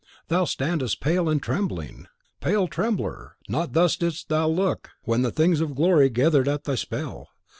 Thou standest pale and trembling. Pale trembler! not thus didst thou look when the things of glory gathered at thy spell.